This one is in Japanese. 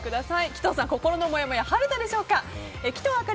鬼頭さん、心のもやもや晴れたでしょうか？